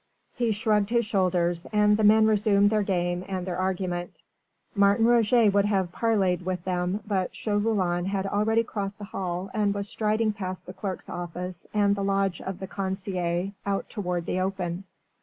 He shrugged his shoulders and the men resumed their game and their argument. Martin Roget would have parleyed with them but Chauvelin had already crossed the hall and was striding past the clerk's office and the lodge of the concierge out toward the open.